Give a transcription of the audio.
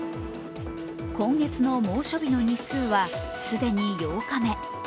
今月の猛暑日の日数は既に８日目。